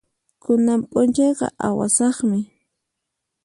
Kunan p'unchayqa awasaqmi.